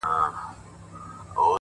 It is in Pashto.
اخلاق د انسان د نوم رنګ دی،